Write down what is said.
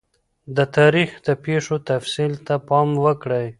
د تاریخ د پیښو تفصیل ته پام وکړئ.